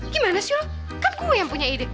gimana sih lu kan gue yang punya ide